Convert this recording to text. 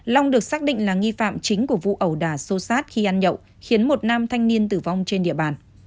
long được xác định là nghi phạm chính của vụ ẩu đà xô xát khi ăn nhậu khiến một nam thanh niên tử vong trên địa bàn